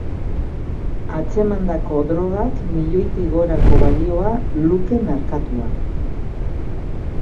Atzemandako drogak milioitik gorako balioa luke merkatuan.